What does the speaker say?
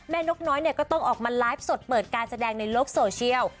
นกน้อยเนี่ยก็ต้องออกมาไลฟ์สดเปิดการแสดงในโลกโซเชียล